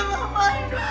nenek gak mungkin buta